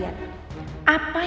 apa yang dia lakuin